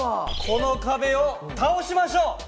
この壁を倒しましょう！